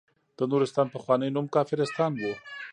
د نورستان پخوانی نوم کافرستان وه.